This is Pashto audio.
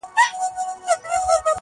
ملالۍ دغه غیرت وو ستا د وروڼو؟!